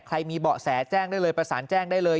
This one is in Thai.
มีเบาะแสแจ้งได้เลยประสานแจ้งได้เลย